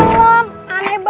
satu bantuin coba